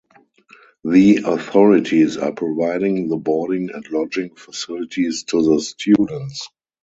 The authorities are providing the boarding and lodging facilities to the students.